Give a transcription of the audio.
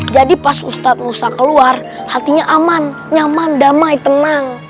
jadi pas ustadz musa keluar hatinya aman nyaman damai tenang